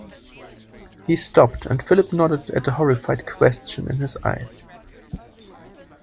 He stopped, and Philip nodded at the horrified question in his eyes.